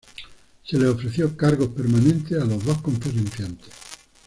Se les ofreció cargos permanentes a los dos conferenciantes.